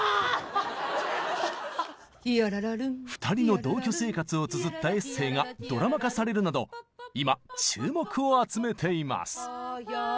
２人の同居生活をつづったエッセーがドラマ化されるなど今注目を集めています！